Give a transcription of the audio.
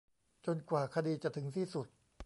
จนกว่าคดีจะถึงที่สุด